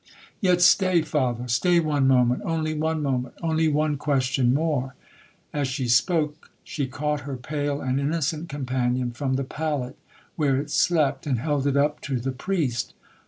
'—'Yet stay, father—stay one moment—only one moment—only one question more.' As she spoke, she caught her pale and innocent companion from the pallet where it slept, and held it up to the priest.